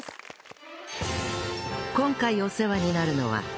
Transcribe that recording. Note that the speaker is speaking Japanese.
今回お世話になるのは